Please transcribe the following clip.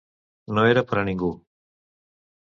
No era per a ningú.